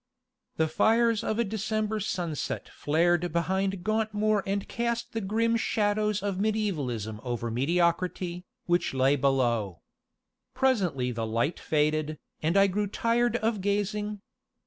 The fires of a December sunset flared behind Gauntmoor and cast the grim shadows of Medievalism over Mediocrity, which lay below. Presently the light faded, and I grew tired of gazing.